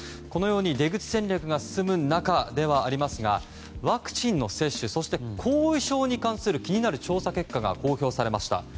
このように出口戦略が進む中ではありますがワクチンの接種、後遺症に関する気になる調査結果が公表されました。